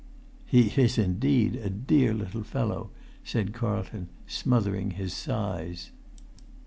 "He is indeed a dear little fellow," said Carlton, smothering his sighs.